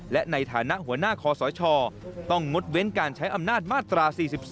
และในฐานะหัวหน้าคอสชต้องงดเว้นการใช้อำนาจมาตรา๔๔